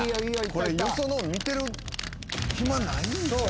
これよそのを見てる暇ないんちゃう？